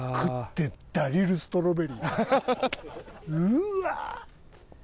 「うわー！」っつって。